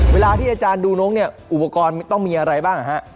เวลาที่อาจารย์ดูนกอุปกรณ์ต้องมีอะไรบ้างครับ